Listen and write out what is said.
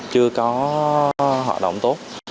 chưa có hoạt động tốt